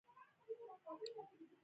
له ځنګل ځخه باید سالمه ګټه واخیستل شي